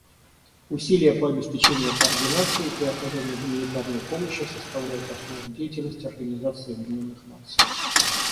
Усилия по обеспечению координации и оказанию гуманитарной помощи составляют основу деятельности Организации Объединенных Наций.